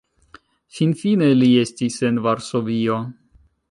Finfine li estis en Varsovio.